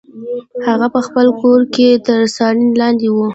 هغه په خپل کور کې تر څارنې لاندې و.